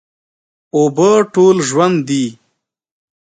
اوبه ټول ژوند دي.